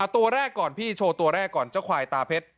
ตัวแรกก่อนพี่โชว์ตัวแรกก่อนเจ้าควายตาเพชร